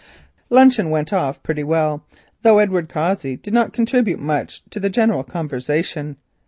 Luncheon went off pretty well, though Edward Cossey did not contribute much to the general conversation.